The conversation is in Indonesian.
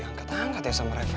nah diangkat angkat ya sama reva